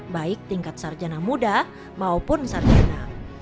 baik tingkat sarjana muda maupun sarjana